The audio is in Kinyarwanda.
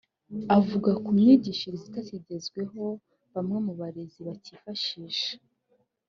Avuga ku myigishirize itakigezweho bamwe mu barezi bacyifashisha